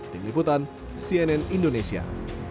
tim liputan cnn indonesia